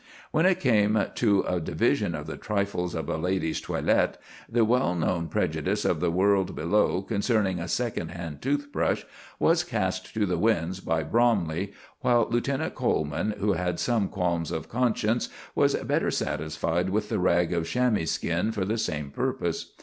When it came to a division of the trifles of a lady's toilet, the well known prejudice of the world below concerning a second hand tooth brush was cast to the winds by Bromley, while Lieutenant Coleman, who had some qualms of conscience, was better satisfied with the rag of chamois skin for the same purpose.